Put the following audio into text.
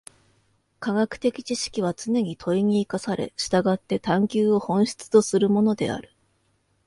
科学的知識はつねに問に生かされ、従って探求を本質とするものである。